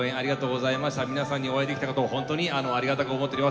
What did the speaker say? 皆さんにお会いできたことを本当にありがたく思っております。